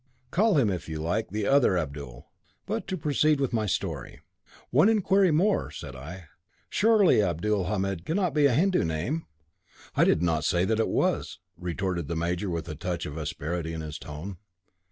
Call him, if you like, the other Abdul. But to proceed with my story." "One inquiry more," said I. "Surely Abdulhamid cannot be a Hindu name?" "I did not say that it was," retorted the major with a touch of asperity in his tone.